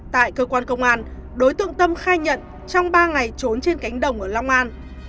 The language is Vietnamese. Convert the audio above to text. tại cơ quan công an đối tượng tâm khai nhận trong ba ngày trốn trên cánh đồng ở long an